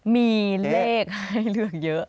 มีเลขให้เลือกเยอะ